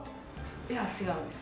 いや違うんです。